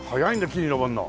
木に登るの。